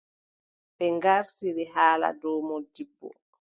Ɓe ngartiri haala dow moodibbo.